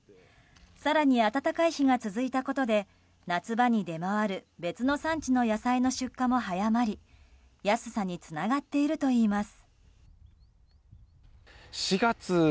更に、暖かい日が続いたことで夏場に出回る別の産地の野菜の出荷も早まり安さにつながっているといいます。